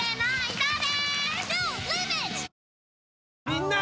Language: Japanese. みんな！